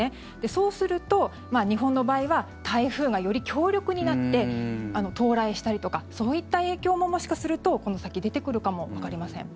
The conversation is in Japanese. そうすると、日本の場合は台風がより強力になって到来したりとかそういった影響ももしかするとこの先出てくるかもわかりません。